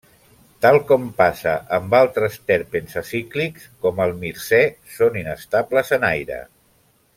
Tal com passa amb altres terpens acíclics, com el mircè, són inestables en aire.